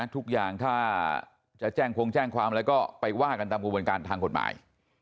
ทุกอย่างถ้าจะแจ้งคงแจ้งความอะไรก็ไปว่ากันตามกระบวนการทางกฎหมาย